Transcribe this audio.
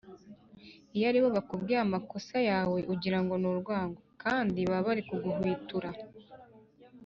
Iyo ari bo bakubwiye amakosa yawe ugirango nurwango kandi baba bari kuguhwitura